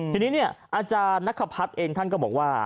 ทีนี้อาจารย์นักคภัฐเองท่านก็บอกว่า